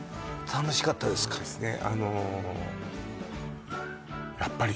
そうですね